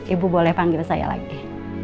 ibu boleh panggil saya lagi